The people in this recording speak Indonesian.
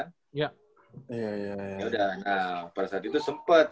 nah pada saat itu sempet